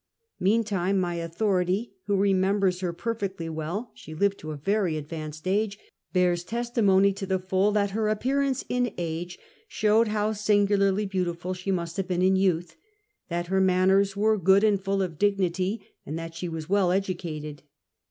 Mean time, ray authority, who remembers her perfectly well — she lived to a very advanced age — bears testimony to the full that lier appearance in age sliowed how singularly beautiful she must have been in youth, that her mamicrs wore good and full of dignity, and that she was well educated.